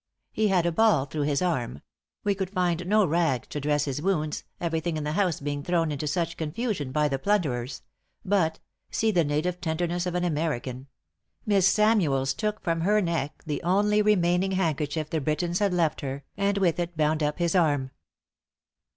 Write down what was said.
He had a ball through his arm; we could find no rag to dress his wounds, everything in the house being thrown into such confusion by the plunderers; but (see the native tenderness of an American!) Miss Samuells took from her neck the only remaining handkerchief the Britons had left her, and with it bound up his arm."